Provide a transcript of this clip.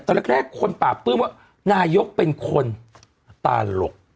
ตอนแรกคนปากปื้มว่านายกเป็นคนตาหลก